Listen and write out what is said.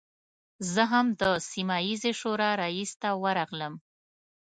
زه هم د سیمه ییزې شورا رئیس ته ورغلم.